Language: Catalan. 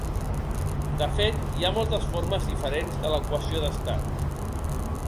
De fet, hi ha moltes formes diferents de l'equació d'estat.